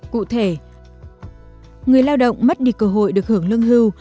cụ thể người lao động mất đi cơ hội được hưởng lương hưu